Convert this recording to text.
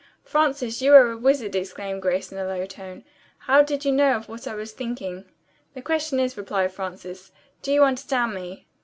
"Frances, you are a wizard!" exclaimed Grace in a low tone. "How did you know of what I was thinking?" "The question is," replied Frances, "do you understand me?"